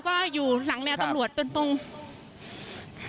คุณภาคภูมิพยายามอยู่ในจุดที่ปลอดภัยด้วยนะคะ